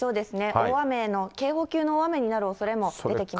大雨の警報級の大雨になるおそれも出てきます。